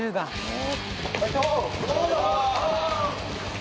お！